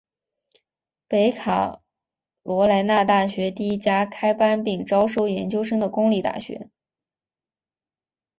北卡罗来纳大学第一家开班并招收研究生的公立大学。